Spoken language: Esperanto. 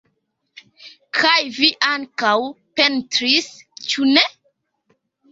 Kaj vi ankaŭ pentris, ĉu ne?